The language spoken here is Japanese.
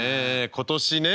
今年ね